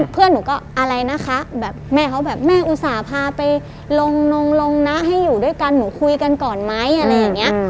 เพื่อนหนูก็อะไรนะคะแบบแม่เขาแบบแม่อุตส่าห์พาไปลงนงลงนะให้อยู่ด้วยกันหนูคุยกันก่อนไหมอะไรอย่างนี้